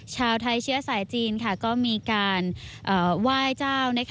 ชาวไทยเชื้อสายจีนก็มีการไหว้เจ้า